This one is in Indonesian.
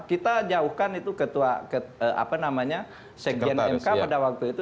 kita jauhkan itu ketua sekjen mk pada waktu itu